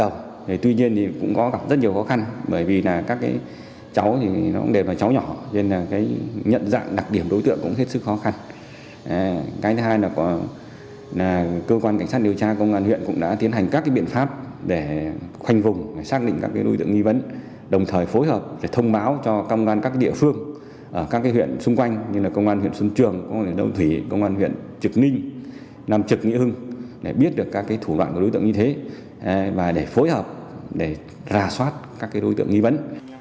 cơ quan cảnh sát điều tra công an huyện cũng đã tiến hành các biện pháp để khoanh vùng xác định các đối tượng nghi vấn đồng thời phối hợp để thông báo cho công an các địa phương các huyện xung quanh như là công an huyện xuân trường công an huyện đông thủy công an huyện trực ninh nam trực nghĩa hưng để biết được các thủ đoạn của đối tượng như thế và để phối hợp để ra soát các đối tượng nghi vấn